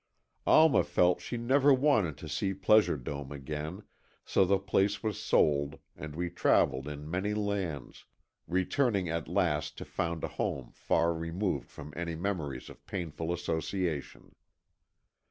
Alma felt she never wanted to see Pleasure Dome again, so the place was sold and we travelled in many lands, returning at last to found a home far removed from any memories of painful association.